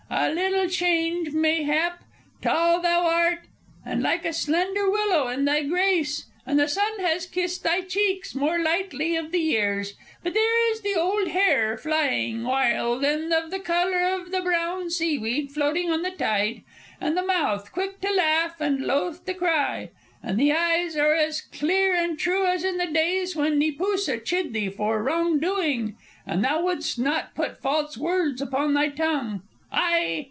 A little change, mayhap. Tall thou art, and like a slender willow in thy grace, and the sun has kissed thy cheeks more lightly of the years; but there is the old hair, flying wild and of the color of the brown seaweed floating on the tide, and the mouth, quick to laugh and loth to cry. And the eyes are as clear and true as in the days when Neepoosa chid thee for wrong doing, and thou wouldst not put false words upon thy tongue. Ai!